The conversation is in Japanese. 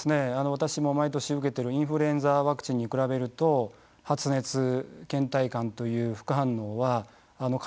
私も毎年受けているインフルエンザワクチンに比べると発熱けん怠感という副反応はかなり頻度が高いみたいです。